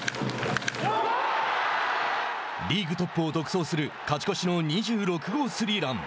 リーグトップを独走する勝ち越しの２６号スリーラン。